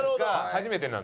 初めてなんだ。